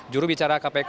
juru bicara kpk